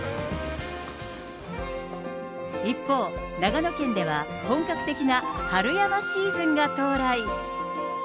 一方、長野県では、本格的な春山シーズンが到来。